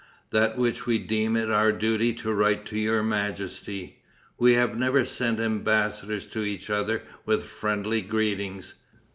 that which we deem it our duty to write to your majesty. We have never sent embassadors to each other with friendly greetings.